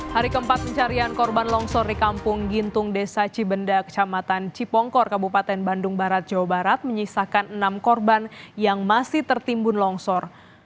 hari keempat pencarian korban longsor di kampung gintung desa cibenda kecamatan cipongkor kabupaten bandung barat jawa barat menyisakan enam korban yang masih tertimbun longsor